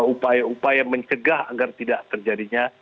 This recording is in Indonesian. upaya upaya mencegah agar tidak terjadinya